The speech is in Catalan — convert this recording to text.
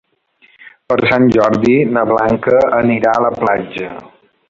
Per Sant Jordi na Blanca anirà a la platja.